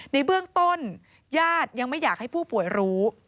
ในเบื้องต้นญาติยังไม่อยากให้ผู้ป่วยรู้